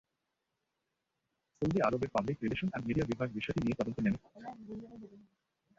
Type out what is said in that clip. Saudi আরবের public relation and media বিভাগ বিষয়টি নিয়ে তদন্তে নেমে পড়েছে।